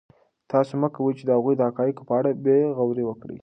تاسو مه کوئ چې د هغوی د حقایقو په اړه بې غوري وکړئ.